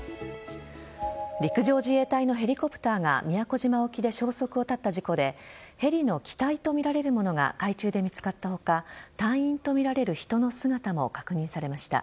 陸上自衛隊のヘリコプターが宮古島沖で消息を絶った事故でヘリの機体とみられるものが海中で見つかった他隊員とみられる人の姿も確認されました。